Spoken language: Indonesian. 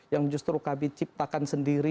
yang justru kami ciptakan sendiri